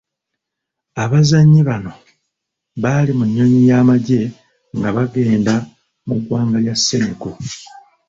Abazannyi bano baali mu nnyonyi y'amagye nga bagenda mu ggwanga lya Senegal.